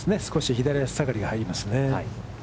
左足下がりが入りますよね。